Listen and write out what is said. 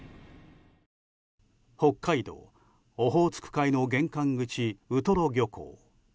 北海道オホーツク海の玄関口ウトロ漁港。